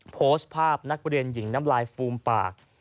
โพสต์ภาพนักเรียนหญิงน้ำลายฟูมปาก